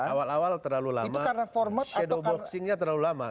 awal awal terlalu lama edwboxingnya terlalu lama